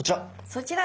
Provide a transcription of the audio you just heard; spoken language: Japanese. そちら！